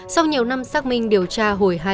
sau nhiều năm xác minh điều tra hồi